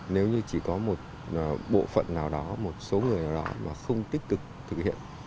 nếu như chỉ có một bộ phận nào đó một số người đó và không tích cực thực hiện